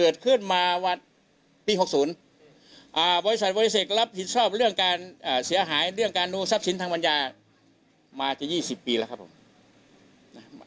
เกิดขึ้นมาวันปี๖๐บริษัทวัยเสกรับผิดชอบเรื่องการเสียหายเรื่องการดูทรัพย์สินทางปัญญามาจะ๒๐ปีแล้วครับผม